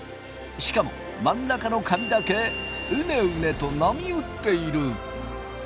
しかも真ん中の紙だけうねうねと波打っている。